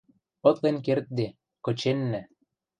Ытлен кердде, кыченнӓ...